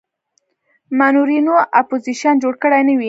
منورینو اپوزیشن جوړ کړی نه وي.